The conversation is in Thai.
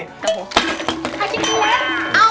ติดติด